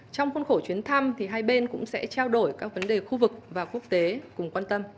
trong khuôn khổ chuyến thăm hai bên cũng sẽ trao đổi các vấn đề khu vực và quốc tế cùng quan tâm